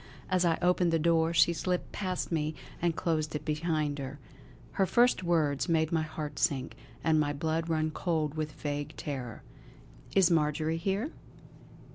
As I opened the door, she slipped past me and closed it behind her. Her first words made my heart sink, and my blood run cold with vague terror: "Is Marjory here?"